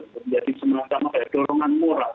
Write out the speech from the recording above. menjadi semacam dorongan moral